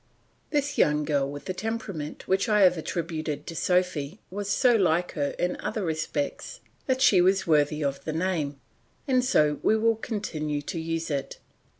This young girl with the temperament which I have attributed to Sophy was so like her in other respects that she was worthy of the name, and so we will continue to use it.